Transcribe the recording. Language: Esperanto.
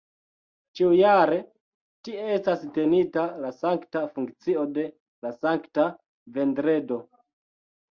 Ĉiujare tie estas tenita la sankta funkcio de la Sankta Vendredo.